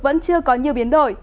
vẫn chưa có nhiều biến đổi